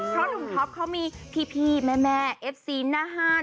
เพราะหนุ่มท็อปเขามีพี่แม่เอฟซีหน้าห้าน